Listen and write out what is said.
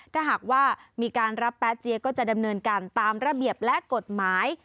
ถ้าหากว่ามีการรับแป๊เจียก็จะดำเนินการตามระเบียบและกฎหมาย